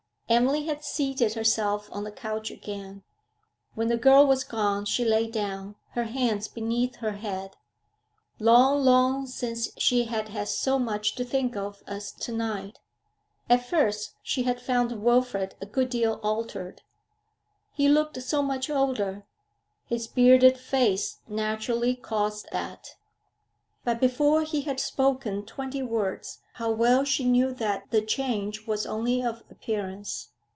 Emily had seated herself on the couch again; when the girl was gone she lay down, her hands beneath her head. Long, long since she had had so much to think of as to night. At first she had found Wilfrid a good deal altered. He looked so much older; his bearded face naturally caused that. But before he had spoken twenty words how well she knew that the change was only of appearance.